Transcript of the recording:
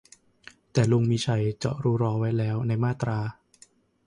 แต่ลุง มีชัย เจาะรูรอไว้แล้วในมาตรา